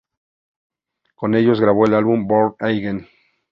Con ellos grabó el álbum "Born Again".